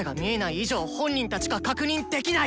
以上本人たちか確認できない！